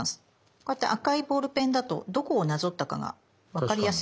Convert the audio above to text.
こうやって赤いボールペンだとどこをなぞったかが分かりやすいと思います。